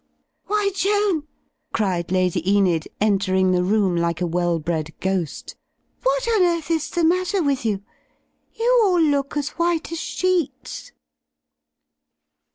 "Why, Joan," cried Lady Enid, entering the room like a well bred ghost, "what on earth is the matter with you. You all look as white as sheets."